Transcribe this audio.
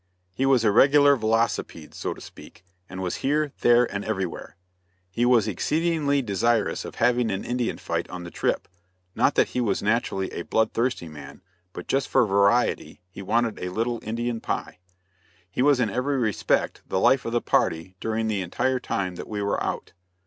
He was a regular velocipede, so to speak, and was here, there, and everywhere. He was exceedingly desirous of having an Indian fight on the trip, not that he was naturally a blood thirsty man but just for variety he wanted a little "Indian pie." He was in every respect the life of the party, during the entire time that we were out.